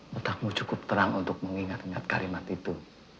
betakmu cukup terang untuk mengingat ingat karimat itu